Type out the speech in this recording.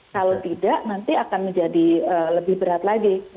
kalau tidak nanti akan menjadi lebih berat lagi